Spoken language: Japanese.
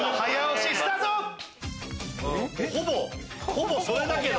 ほぼそれだけど。